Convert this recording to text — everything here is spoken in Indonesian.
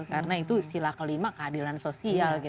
karena itu sila kelima keadilan sosial gitu